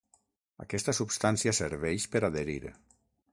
Aquesta substància serveix per adherir.